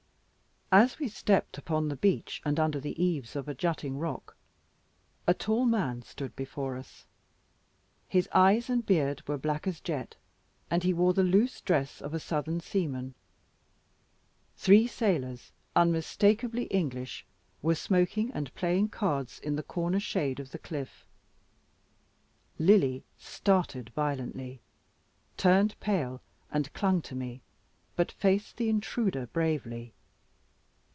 As we stepped upon the beach, and under the eaves of a jutting rock, a tall man stood before us. His eyes and beard were black as jet, and he wore the loose dress of a Southern seaman. Three sailors, unmistakeably English, were smoking and playing cards in the corner shade of the cliff. Lily started violently, turned pale, and clung to me, but faced the intruder bravely.